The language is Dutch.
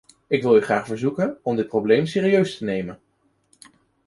Ik wil u graag verzoeken om dit probleem serieus te nemen.